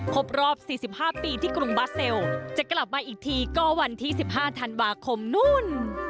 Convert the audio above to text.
ครบรอบสี่สิบห้าปีที่กรุงบาเซลจะกลับมาอีกทีก็วันที่สิบห้าธันวาคมนู่น